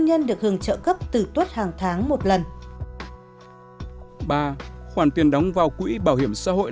nhân được hưởng trợ cấp từ tuốt hàng tháng một lần ba khoản tiền đóng vào quỹ bảo hiểm xã hội